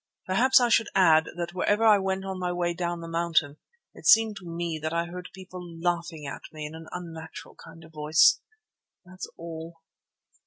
Perhaps I should add that wherever I went on my way down the mountain it seemed to me that I heard people laughing at me in an unnatural kind of voice. That's all."